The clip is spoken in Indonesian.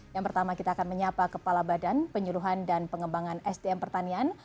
yang pertama kita akan menyapa kepala badan penyuluhan dan pengembangan sdm pertanian